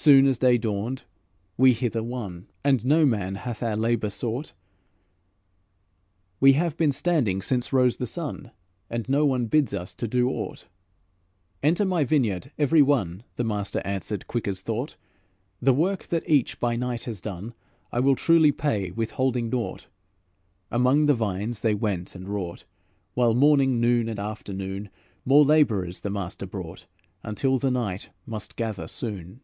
'" "'Soon as day dawned we hither won, And no man hath our labour sought; We have been standing since rose the sun And no one bids us to do aught.' 'Enter my vineyard every one,' The master answered quick as thought: 'The work that each by night has done I will truly pay, withholding naught.' Among the vines they went and wrought, While morning, noon and afternoon, More labourers the master brought, Until the night must gather soon."